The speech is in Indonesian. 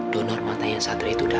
donor matanya satri itu dada